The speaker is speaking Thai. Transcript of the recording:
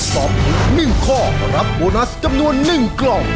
ตอบถูก๑ข้อรับโบนัสจำนวน๑กล่อง